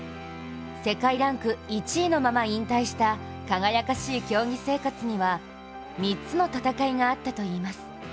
世界ランク１位のまま引退した輝かしい競技生活には３つの戦いがあったといいます。